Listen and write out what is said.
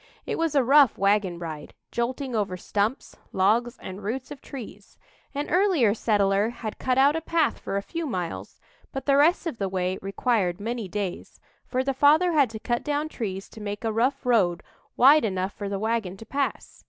It was a rough wagon ride, jolting over stumps, logs, and roots of trees. An earlier settler had cut out a path for a few miles, but the rest of the way required many days, for the father had to cut down trees to make a rough road wide enough for the wagon to pass.